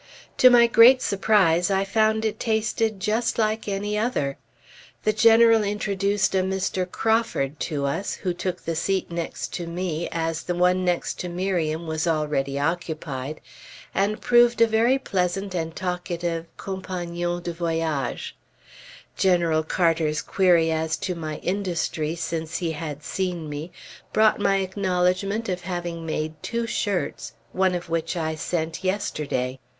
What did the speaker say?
To my great surprise, I found it tasted just like any other. The General introduced a Mr. Crawford to us, who took the seat next to me, as the one next to Miriam was already occupied, and proved a very pleasant and talkative compagnon de voyage. General Carter's query as to my industry since he had seen me, brought my acknowledgment of having made two shirts, one of which I sent yesterday.